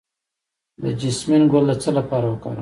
د جیسمین ګل د څه لپاره وکاروم؟